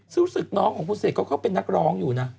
รู้สึกน้องของพี่เศษเขาเป็นนักร้องอยู่นะ